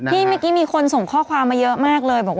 เมื่อกี้มีคนส่งข้อความมาเยอะมากเลยบอก